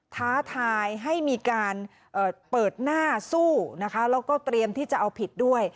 ท้าทายให้มีการเปิดหน้าสู้นะคะแล้วก็เตรียมที่จะเอาผิดด้วย